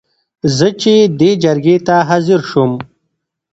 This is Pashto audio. زه چې دې جرګې ته حاضر شوم.